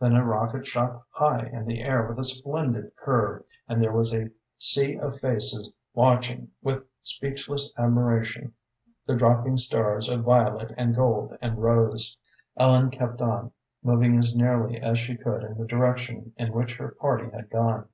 Then a rocket shot high in the air with a splendid curve, and there was a sea of faces watching with speechless admiration the dropping stars of violet and gold and rose. Ellen kept on, moving as nearly as she could in the direction in which her party had gone.